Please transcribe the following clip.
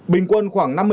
bình quân khoảng năm mươi xe